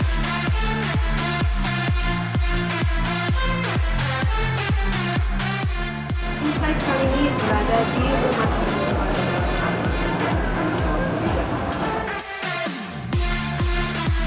insight kali ini berada di rumah sakit